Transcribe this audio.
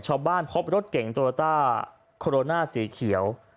ชาวบ้านพบรถเก่งโตราต้าโคโรน่าสีเขียว